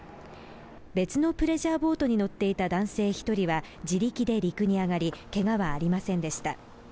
別のプレジャーボートに乗っていた男性１人は自力で陸に上がり、けがはありませんでした。